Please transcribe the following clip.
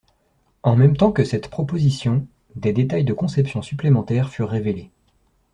En même temps que cette proposition, des détails de conception supplémentaires furent révélés.